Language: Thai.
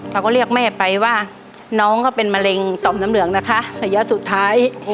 เขาก็เรียกแม่ไปว่าน้องเขาเป็นมะเร็งต่อมน้ำเหลืองนะคะระยะสุดท้าย